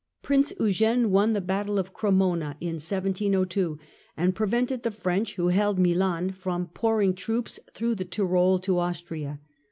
Prince Eugene won the battle of Cremona in 1702, and prevented the French, who held Milan, from pouring troops through the Tyrol to Austria.